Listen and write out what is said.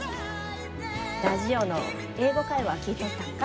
ラジオの「英語会話」聴いとったんか？